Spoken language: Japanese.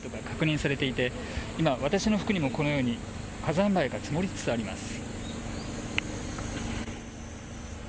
今、私の服にもこのように火山灰が積もりつつあります。